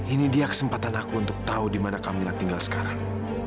ini dia kesempatan aku untuk tahu di mana kami tinggal sekarang